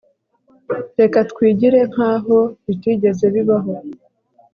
Reka twigire nkaho bitigeze bibaho